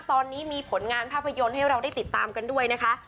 ตอนนี้มีผลงานภาพยนตร์ให้เราได้ติดตามกันด้วยนะคะ